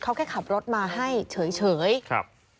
เขาแค่ขับรถมาให้เฉยเฉยครับ